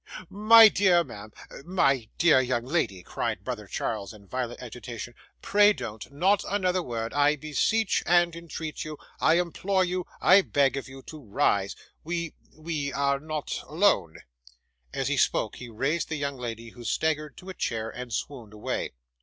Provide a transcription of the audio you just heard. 'My dear ma'am my dear young lady,' cried brother Charles in violent agitation, 'pray don't not another word, I beseech and entreat you! I implore you I beg of you to rise. We we are not alone.' As he spoke, he raised the young lady, who staggered to a chair and swooned away.